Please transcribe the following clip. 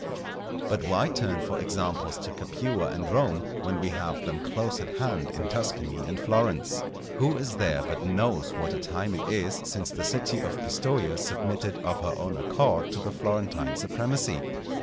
But why turn for examples to Capua and Rome, when we have them close at hand in Tuscany and Florence? Who is there but knows what a time it is since the city of Pistoja submitted of her own accord to the Florentine supremacy?